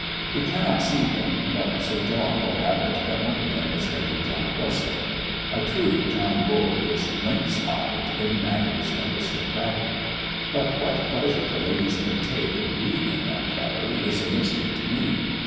We cannot see them, but Sir John will have it that one of them is Lady John Russell. A true John Bull is lynx eyed in matters aristocratic. But what pleasure the ladies can take in being in that gallery, is a mystery to me.